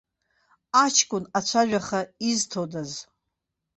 Аҷкәын ацәажәаха изҭодаз.